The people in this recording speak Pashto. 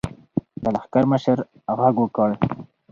د لښکر مشر غږ وکړ.